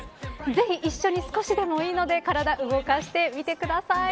ぜひ一緒に少しでもいいので体動かしてみてください。